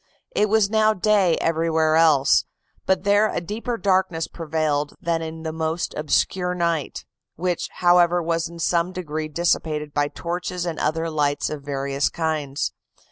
It was now day everywhere else, but there a deeper darkness prevailed than in the most obscure night; which, however, was in some degree dissipated by torches and other lights of various kinds.